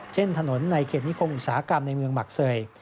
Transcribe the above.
ถนนในเขตนิคมอุตสาหกรรมในเมืองหมักเซย